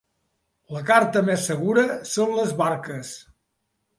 La carta més segura són les barques.